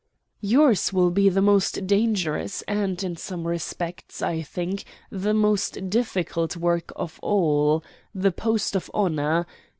"Yours will be the most dangerous and, in some respects, I think the most difficult work of all the post of honor.